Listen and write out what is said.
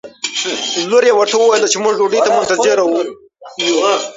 لور یې ورته وویل چې موږ ډوډۍ ته منتظره یو.